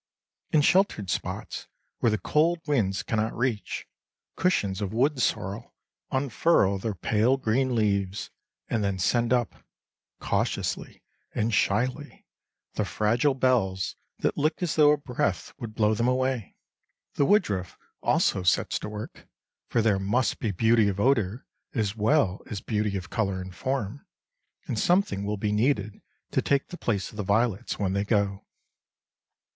In sheltered spots where the cold winds cannot reach, cushions of wood sorrel unfurl their pale green leaves, and then send up, cautiously and shyly, the fragile bells that look as though a breath would blow them away. The woodruff also sets to work, for there must be beauty of odour as well as beauty of colour and form, and something will be needed to take the place of the violets when they go.